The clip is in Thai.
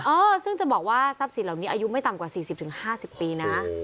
เออซึ่งจะบอกว่าทรัพย์สินเหล่านี้อายุไม่ต่ำกว่า๔๐๕๐ปีนะ